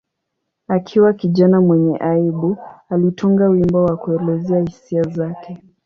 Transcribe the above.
Akiwa kijana mwenye aibu, alitunga wimbo wa kuelezea hisia zake.